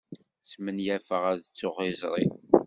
Smenyafeɣ ad ttuɣ izri.